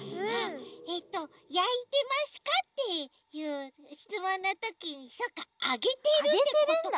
えっと「やいてますか？」っていうしつもんのときにそっかあげてるってことかい？